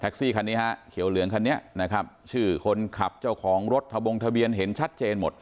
ซี่คันนี้ฮะเขียวเหลืองคันนี้นะครับชื่อคนขับเจ้าของรถทะบงทะเบียนเห็นชัดเจนหมด